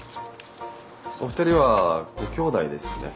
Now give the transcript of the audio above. お二人はご兄弟ですよね？